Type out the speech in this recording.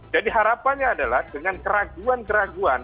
jadi harapannya adalah dengan keraguan keraguan